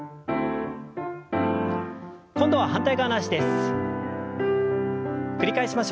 今度は反対側の脚です。